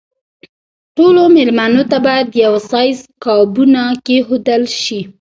ټولو مېلمنو ته باید د یوه سایز قابونه کېښودل شي.